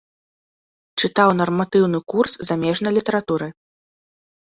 Чытаў нарматыўны курс замежнай літаратуры.